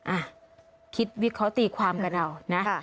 อ่ะคิดวิเคราะห์ตีความกันเอานะ